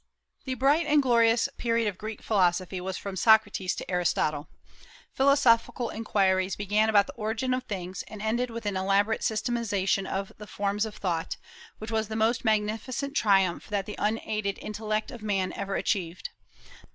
The bright and glorious period of Greek philosophy was from Socrates to Aristotle. Philosophical inquiries began about the origin of things, and ended with an elaborate systematization of the forms of thought, which was the most magnificent triumph that the unaided intellect of man ever achieved.